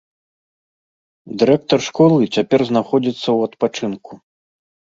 Дырэктар школы цяпер знаходзіцца ў адпачынку.